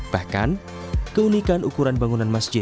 bahkan keunikan ukuran bangunan masjid